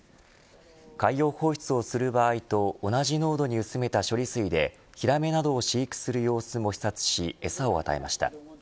海洋放出をする場合と同じ濃度に薄めた処理水でヒラメなどを飼育する様子も視察し餌を与えました。